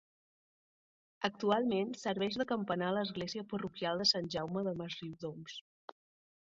Actualment serveix de campanar a l'església parroquial de Sant Jaume de Masriudoms.